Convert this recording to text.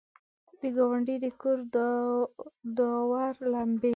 د ګاونډي د کور، داور لمبې!